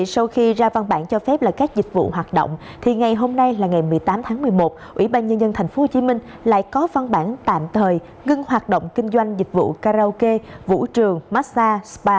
sau khi ra văn bản cho phép là các dịch vụ hoạt động thì ngày hôm nay là ngày một mươi tám tháng một mươi một ủy ban nhân dân tp hcm lại có văn bản tạm thời ngưng hoạt động kinh doanh dịch vụ karaoke vũ trường massag spa